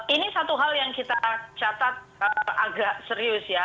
ini satu hal yang kita catat agak serius ya